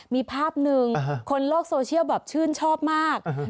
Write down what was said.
มีภาพหนึ่งคนโลกโซเชียลแบบชื่นชอบมาก